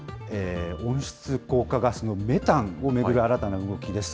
温室効果ガスのメタンを巡る新たな動きです。